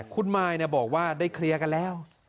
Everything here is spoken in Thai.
คุณมายบอกว่าได้เคลียร์กันแล้ว